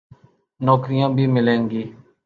نوکریاں بھی ملیں گی۔